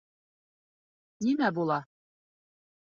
Нимә була?..